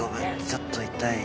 ちょっと痛い。